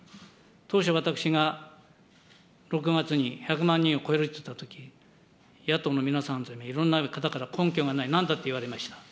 当初、私が６月に１００万人を超えると言ったとき、野党の皆さん、いろんな方から根拠がない、なんだと言われました。